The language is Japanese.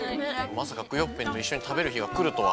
まさかクヨッペンといっしょにたべるひがくるとは。